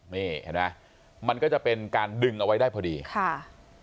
นี่เห็นไหมมันก็จะเป็นการดึงเอาไว้ได้พอดีค่ะ